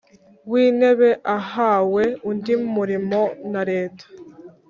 W intebe ahawe undi murimo na leta